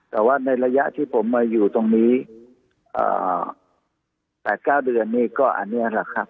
แต่ว่าในระยะที่ผมมาอยู่ตรงนี้๘๙เดือนนี่ก็อันนี้แหละครับ